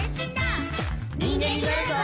「にんげんになるぞ！」